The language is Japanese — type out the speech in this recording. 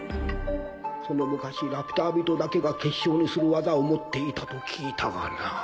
その昔ラピュタ人だけが結晶にする技を持っていたと聞いたがなぁ。